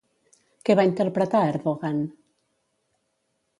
Què va interpretar Erdogan?